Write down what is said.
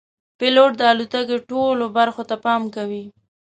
پیلوټ د الوتکې ټولو برخو ته پام کوي.